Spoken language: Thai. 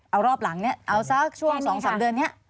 เอารอบหลังเนี่ยเอาสักช่วง๒๓เดือนนี้